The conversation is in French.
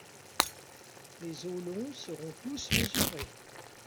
Les os longs seront tous mesurés.